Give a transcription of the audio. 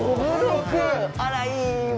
あらいいわ。